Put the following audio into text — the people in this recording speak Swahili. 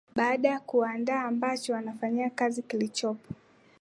baada ya kuwanda ambacho wanafanyia kazi kilichopo